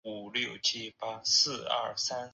姆克瓦瓦的赫赫族首领。